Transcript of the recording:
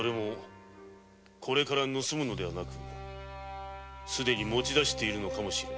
これから盗むのではなく既に持ち出しているのかも知れぬ。